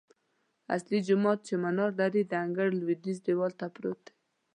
اصلي جومات چې منار لري، د انګړ لویدیځ دیوال ته پروت دی.